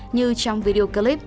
như trong video clip